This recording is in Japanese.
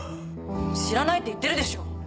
知らないって言ってるでしょ！